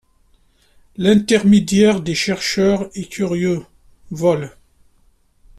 L'Intermédiaire des chercheurs et curieux, vol.